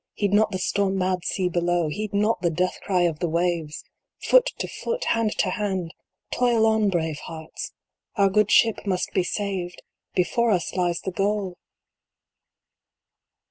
Heed not the storm mad sea below ! Heed not the death cry of the waves ! Foot to foot, hand to hand ! Toil on brave hearts ! Our good Ship must be saved 1 Before us lies the goal